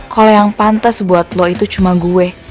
kalo yang pantes buat lo itu cuma gue